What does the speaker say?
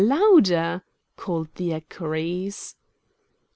louder!" called the equerries.